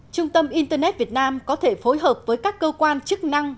trung tâm internet việt nam có thể phối hợp với các cơ quan chức năng